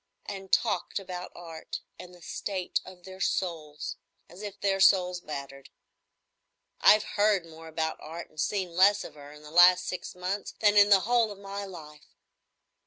—and talked about Art and the state of their souls. As if their souls mattered. I've heard more about Art and seen less of her in the last six months than in the whole of my life.